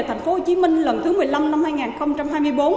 thành phố hồ chí minh lần thứ một mươi năm năm hai nghìn hai mươi bốn